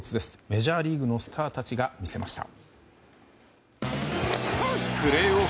メジャーリーグのスターたちが見せました。